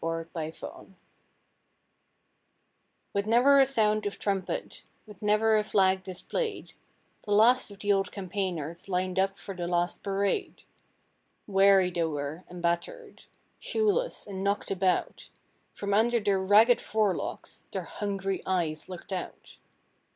The Last Parade With never a sound of trumpet, With never a flag displayed, The last of the old campaigners Lined up for the last parade. Weary they were and battered, Shoeless, and knocked about; From under their ragged forelocks Their hungry eyes looked out.